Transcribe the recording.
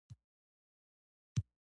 د ماشوم روزنې لپاره لیک او لوست حتمي ده.